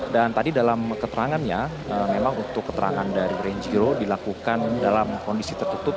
dan tadi dalam keterangannya memang untuk keterangan dari renjiro dilakukan dalam kondisi tertutup